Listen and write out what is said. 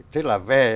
thế là về